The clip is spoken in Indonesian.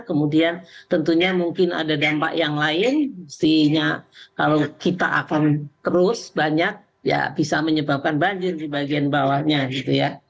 kemudian tentunya mungkin ada dampak yang lain mestinya kalau kita akan terus banyak ya bisa menyebabkan banjir di bagian bawahnya gitu ya